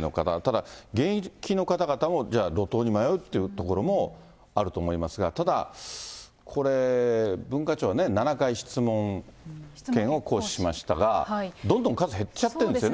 ただ現役の方々も、じゃあ路頭に迷うというところもあると思いますが、ただ、これ、文化庁ね、７回質問権を行使しましたが、どんどん数減っちゃってるんですよね。